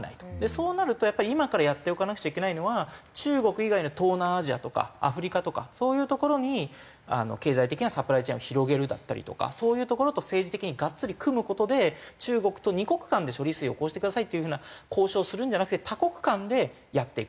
そうなるとやっぱり今からやっておかなくちゃいけないのは中国以外の東南アジアとかアフリカとかそういうところに経済的なサプライチェーンを広げるだったりとかそういうところと政治的にガッツリ組む事で中国と２国間で処理水をこうしてくださいっていう風な交渉をするんじゃなくて多国間でやっていく。